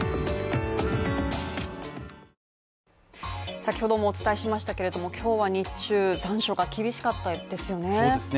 先ほどもお伝えしましたけれども今日は日中残暑が厳しかったですよね